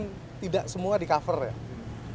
ketika dia asuransi itu kan